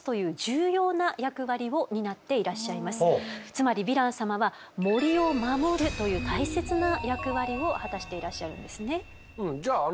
つまりヴィラン様は森を守るという大切な役割を果たしていらっしゃるんですね。